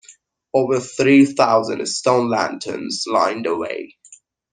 Over three thousand stone lanterns line the way.